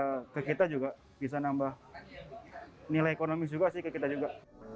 jadi ya ke kita juga bisa nambah nilai ekonomi juga sih ke kita juga